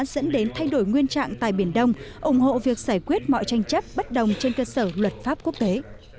dẫn đến thay đổi nguyên trạng tại biển đông ủng hộ việc giải quyết mọi tranh chấp bất đồng trên cơ sở luật pháp quốc tế